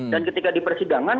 dan ketika di persidangan